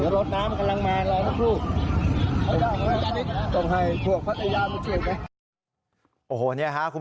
รถน้ำกำลังมาแล้วครับครู